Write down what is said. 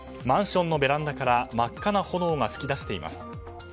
マンションのベランダから真っ赤な炎が噴き出しています。